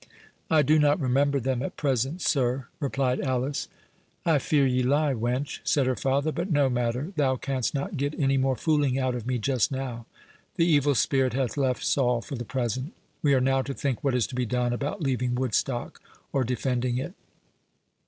'" "I do not remember them at present, sir," replied Alice. "I fear ye lie, wench," said her father; "but no matter—thou canst not get any more fooling out of me just now. The Evil Spirit hath left Saul for the present. We are now to think what is to be done about leaving Woodstock—or defending it?"